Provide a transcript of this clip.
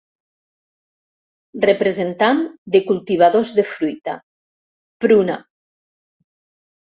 >>Representant de cultivadors de fruita: Pruna.